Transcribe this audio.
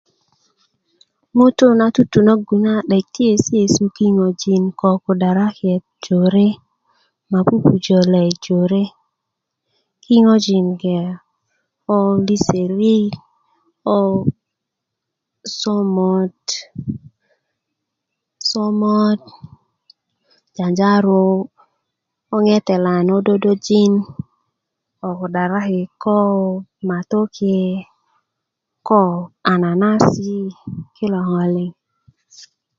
ŋutu' na tutunögu na 'dek ti yesiyesu kinyojin ko kudaraki jore ma pupujö le jore kinyojin gbe ko liserit ko somot somot janjaro ko ŋetelan ko dodojin kudaraki matoke ko ananasi ki lo ŋo se na